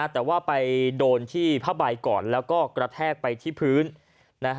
แต่ว่าไปโดนที่ผ้าใบก่อนแล้วก็กระแทกไปที่พื้นนะฮะ